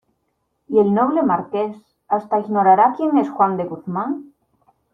¿ y el noble Marqués hasta ignorará quién es Juan de Guzmán?